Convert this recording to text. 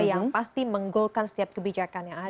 yang pasti menggolkan setiap kebijakan yang ada